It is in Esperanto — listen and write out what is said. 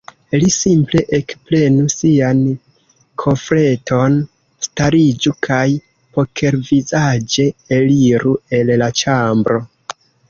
Li simple ekprenu sian kofreton, stariĝu kaj pokervizaĝe eliru el la ĉambro.